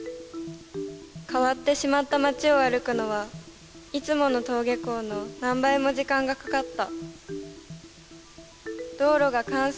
変わってしまった町を歩くのは、いつもの登下校の何倍も時間がかかった。